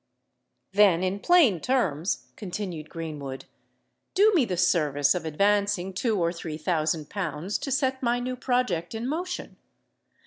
"Then, in plain terms," continued Greenwood, "do me the service of advancing two or three thousand pounds to set my new project in motion."